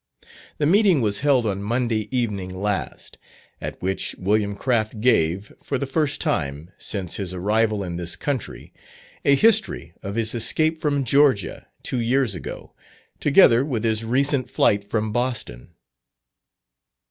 The meeting was held on Monday evening last, at which William Craft gave, for the first time, since his arrival in this country, a history of his escape from Georgia, two years ago, together with his recent flight from Boston.